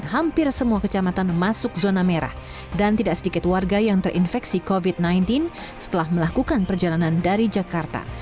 hampir semua kecamatan masuk zona merah dan tidak sedikit warga yang terinfeksi covid sembilan belas setelah melakukan perjalanan dari jakarta